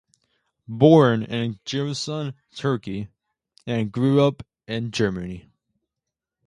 Born in Giresun, Turkey, and grew up in Germany.